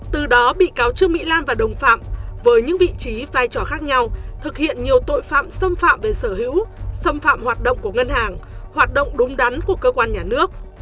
từ đó bị cáo trương mỹ lan và đồng phạm với những vị trí vai trò khác nhau thực hiện nhiều tội phạm xâm phạm về sở hữu xâm phạm hoạt động của ngân hàng hoạt động đúng đắn của cơ quan nhà nước